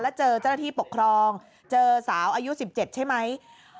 แล้วเจอเจ้าหน้าที่ปกครองเจอสาวอายุ๑๗ใช่ไหม